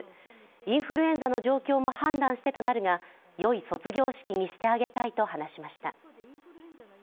インフルエンザの状況も判断してとなるが、よい卒業式にしてあげたいと話しました。